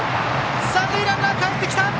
三塁ランナー、かえってきた！